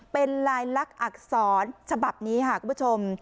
เป็นลายลักษณอักษรฉบับนี้ค่ะคุณผู้ชม